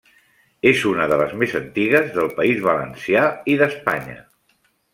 És una de les més antigues del País Valencià i d'Espanya.